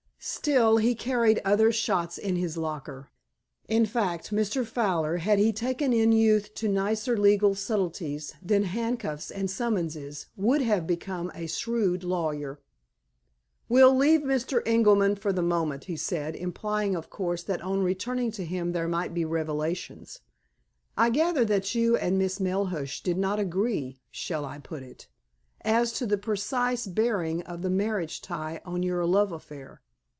Still, he carried other shots in his locker. In fact, Mr. Fowler, had he taken in youth to nicer legal subtleties than handcuffs and summonses, would have become a shrewd lawyer. "We'll leave Mr. Ingerman for the moment," he said, implying, of course, that on returning to him there might be revelations. "I gather that you and Miss Melhuish did not agree, shall I put it? as to the precise bearing of the marriage tie on your love affair?"